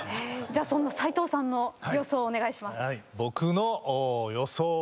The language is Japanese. じゃあそんな斎藤さんの予想をお願いします。